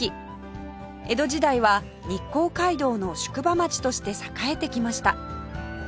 江戸時代は日光街道の宿場町として栄えてきました